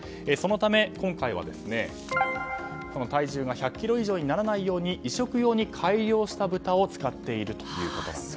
そのため、今回は体重が１００ｋｇ以上にならないように移植用に改良した豚を使っているということです。